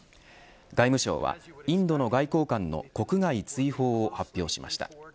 外務省はインドの外交官の国外追放を発表しました。